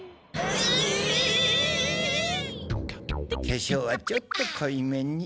けしょうはちょっとこいめに。